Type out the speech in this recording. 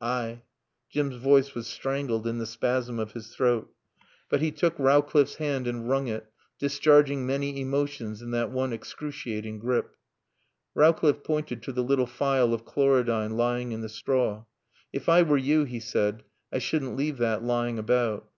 "Ay " Jim's voice was strangled in the spasm of his throat. But he took Rowcliffe's hand and wrung it, discharging many emotions in that one excruciating grip. Rowcliffe pointed to the little phial of chlorodyne lying in the straw. "If I were you," he said, "I shouldn't leave that lying about."